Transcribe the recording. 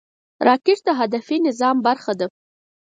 راکټ د هدفي نظام برخه ده